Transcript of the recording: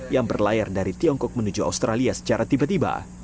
yang berlayar dari tiongkok menuju australia secara tiba tiba